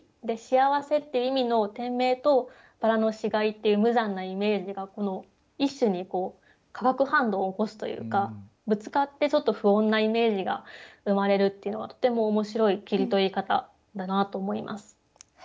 で幸せって意味の店名と薔薇の死骸っていう無残なイメージがこの一首に化学反応を起こすというかぶつかってちょっと不穏なイメージが生まれるっていうのはとても面白い切り取り方だなと思います。